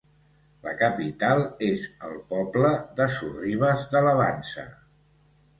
La capital és el poble de Sorribes de la Vansa.